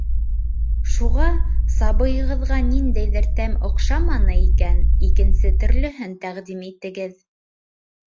Шуға, сабыйығыҙға ниндәйҙер тәм оҡшаманы икән, икенсе төрлөһөн тәҡдим итегеҙ.